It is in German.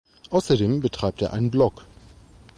Außerdem betreibt er ein Blog.